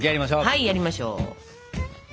はいやりましょう！